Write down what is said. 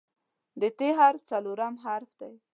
د "ت" حرف څلورم حرف دی.